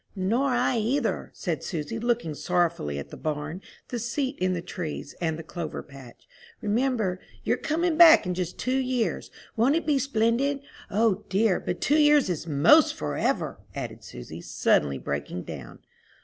"Nor I either," said Susy, looking sorrowfully at the barn, the seat in the trees, and the clover patch. "Remember, you're coming back in just two years. Won't it be splendid? O dear, but two years is 'most forever!" added Susy, suddenly breaking down.